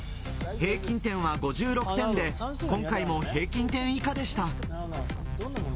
平均点は５６点で、今回も平均点以下でした。